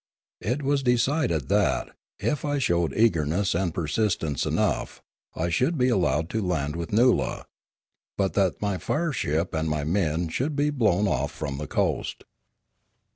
It was decided that, if I showed eagerness and persistence enough, I should be allowed to land with Noola; but that my fire ship and my men should be blown off from the coast.